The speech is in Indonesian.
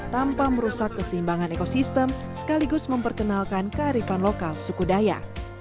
tanpa merusak keseimbangan ekosistem sekaligus memperkenalkan kearifan lokal suku daya